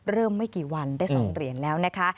ไม่กี่วันได้๒เหรียญแล้วนะคะ